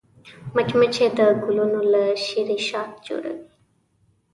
مچمچۍ د ګلونو له شيرې شات جوړوي